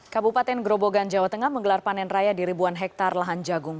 kabupaten grobogan jawa tengah menggelar panen raya di ribuan hektare lahan jagung